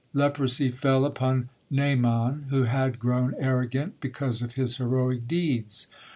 Leprosy fell upon Naaman, who had grown arrogant because of his heroic deeds.